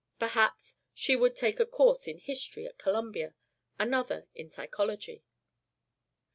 Perhaps she would take a course in history at Columbia, another in psychology.